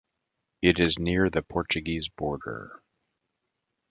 It is near the Portuguese border.